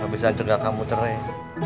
gak bisa ngecegah kamu cerai